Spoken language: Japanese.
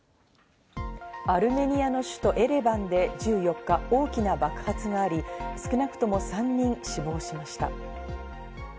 アルメニアの首都エレバンで１４日、大きな爆発があり、少なくとも３人が死亡しました。